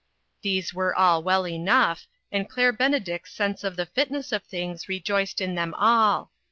These were all well enough, and Claire Benedict's sense of the fitness of things re joiced in them all.